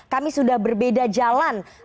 kami sudah berbeda jalan